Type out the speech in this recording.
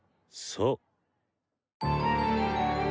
そう。